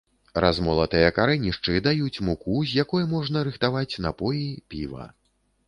Размолатыя карэнішчы даюць муку, з якой можна рыхтаваць напоі, піва.